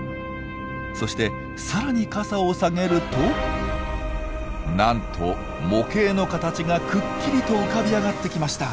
そして更に傘を下げるとなんと模型の形がくっきりと浮かび上がってきました！